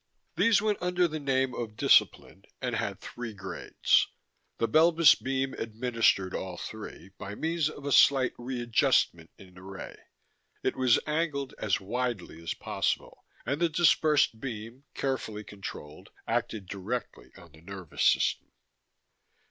These went under the name of discipline, and had three grades. The Belbis beams administered all three, by means of a slight readjustment in the ray. It was angled as widely as possible, and the dispersed beam, carefully controlled, acted directly on the nervous system.